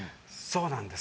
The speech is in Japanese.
そうなんです。